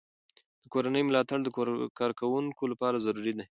د کورنۍ ملاتړ د کارکوونکو لپاره ضروري دی.